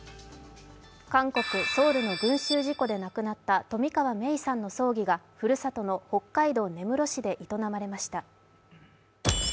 韓国ソウルの群集事故で亡くなった冨川芽生さんの葬儀がふるさとの北海道根室市で営まれました。